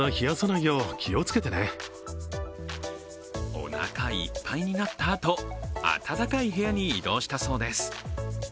おなかいっぱいになったあと、暖かい部屋に移動したそうです。